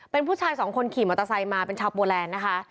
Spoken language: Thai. เป็นผู้ชายสองคนขี่มอเตอร์ไซค์มาเป็นชาวโปแลนด์นะคะ